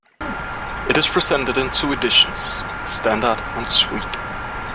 It is presented in two editions: standard and suite.